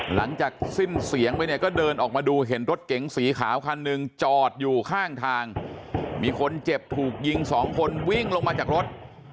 หลังจากสิ้นเสียงไปเนี่ยก็เดินออกมาดูเห็นรถเก๋งสีขาวคันหนึ่งจอดอยู่ข้างทางมีคนเจ็บถูกยิงสองคนวิ่งลงมาจากรถ